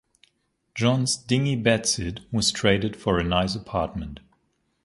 John's dingy bed-sit was traded for a nice apartment.